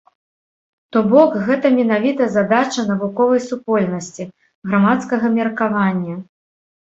То бок, гэта менавіта задача навуковай супольнасці, грамадскага меркавання.